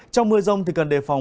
trong mưa rông thì cần đề phòng